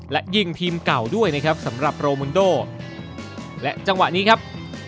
และยิงทีมเก่าด้วยนะครับสำหรับโรมุนโดและจังหวะนี้ครับ